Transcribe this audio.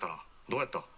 どうやった？」。